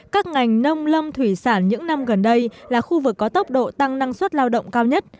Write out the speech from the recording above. các ngành nông lâm thủy sản những năm gần đây là khu vực có tốc độ tăng năng suất lao động cao nhất